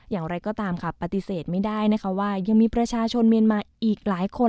อย่างไรก็ตามค่ะปฏิเสธไม่ได้นะคะว่ายังมีประชาชนเมียนมาอีกหลายคน